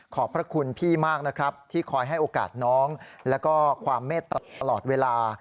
พระคุณพี่มากนะครับที่คอยให้โอกาสน้องแล้วก็ความเมตตลอดเวลา